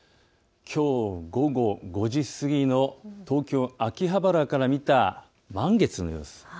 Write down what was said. きょう午後５時過ぎの東京秋葉原から見た満月の様子。